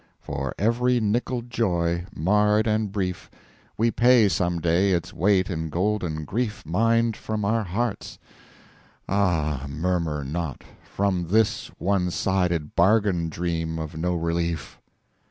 For every nickeled Joy, marred and brief, We pay some day its Weight in golden Grief Mined from our Hearts. Ah, murmur not From this one sided Bargain dream of no Relief!